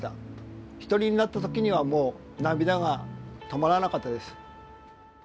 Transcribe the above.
一人になった時にはもう涙が止まらなかったです。